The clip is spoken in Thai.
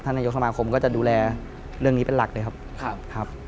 นายกสมาคมก็จะดูแลเรื่องนี้เป็นหลักเลยครับ